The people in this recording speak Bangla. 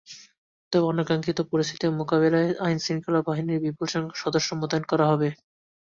তবে অনাকাঙ্ক্ষিত পরিস্থিতি মোকাবিলায় আইনশৃঙ্খলা বাহিনীর বিপুলসংখ্যক সদস্য মোতায়েন করা হবে।